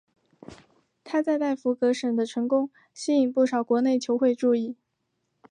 他在代格福什的成功吸引不少国内球会注意。